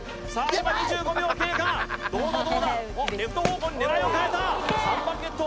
今２５秒経過どうだどうだおっレフト方向に狙いを変えた３番ゲット